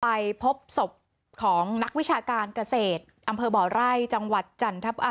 ไปพบศพของนักวิชาการเกษตรอำเภอบ่อไร่จังหวัดจันท